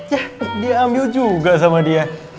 yah dia ambil juga sama dia